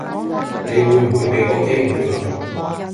你會唔會比個機會佢